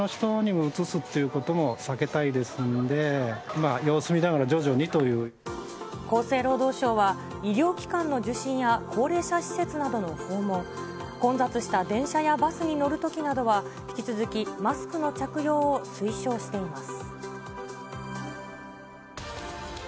化粧もちゃんとしなきゃいけ厚生労働省は、医療機関の受診や高齢者施設などの訪問、混雑した電車やバスに乗るときなどは、引き続きマスクの着用を推奨しています。